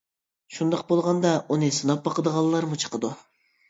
شۇنداق بولغاندا ئۇنى سىناپ باقىدىغانلارمۇ چىقىدۇ.